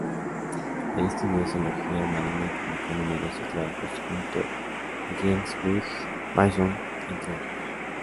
Allí estudió zoología marina y publicó numerosos trabajos junto a James Wood-Mason entre otros.